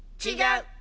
違う。